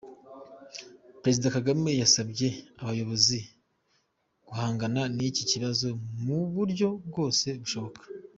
Perezida Kagame yasabye abayobozi guhangana n’iki kibazo mu buryo bwose bushoboka.